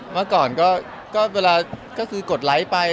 เมื่อก่อนก็กดไลค์ไป